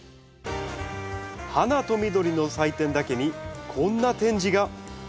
「花と緑の祭典」だけにこんな展示が！